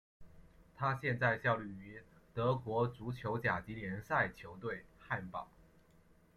他现在效力于德国足球甲级联赛球队汉堡。